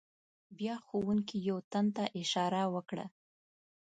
بیا ښوونکي یو تن ته اشاره وکړه.